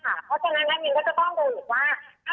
เพราะฉะนั้นนักบินก็จะต้องดูอีกว่า